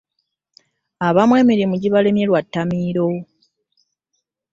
Abamu emirimu gibalemye lwa ttamiiro.